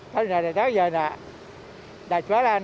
kalau enggak ada tau ya enggak jualan